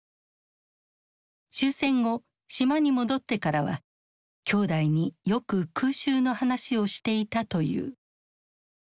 終戦後島に戻ってからはきょうだいによく空襲の話をしていたという。